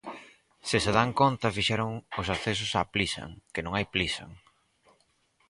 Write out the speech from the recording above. Se se dan conta, fixeron os accesos á Plisan, que non hai Plisan.